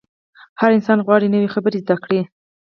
هر انسان غواړي نوې خبرې زده کړي.